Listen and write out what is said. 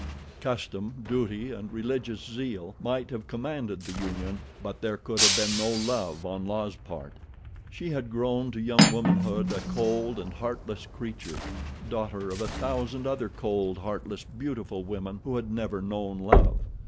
Custom, duty and religious zeal might have commanded the union; but there could have been no love on La's part. She had grown to young womanhood a cold and heartless creature, daughter of a thousand other cold, heartless, beautiful women who had never known love.